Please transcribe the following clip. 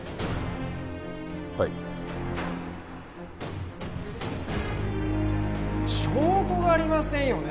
はい証拠がありませんよね